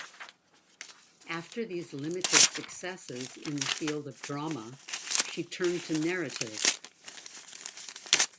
After these limited successes in the field of drama, she turned to narrative.